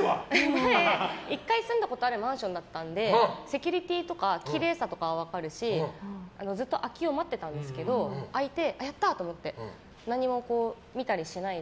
前、１回住んだことあるマンションだったのでセキュリティーとかきれいさとか分かるしずっと空きを待っていたんですけど空いて、やった！と思って何も見たりしないで。